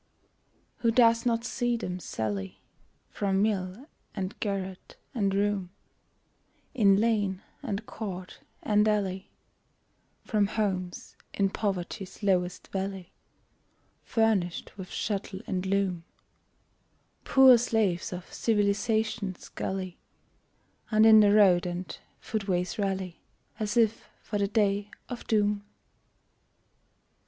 Who does not see them sally From mill, and garret, and room, In lane, and court and alley, From homes in poverty's lowest valley, Furnished with shuttle and loom Poor slaves of Civilization's galley And in the road and footways rally, As if for the Day of Doom?